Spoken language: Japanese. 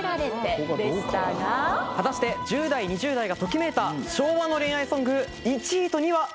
果たして１０代２０代がときめいた昭和の恋愛ソング１位と２位は？